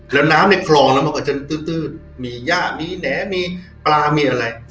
แล้วน้ำในคลองนั้นมันก็จะตื้นมีย่ามีแหน่มีปลามีอะไร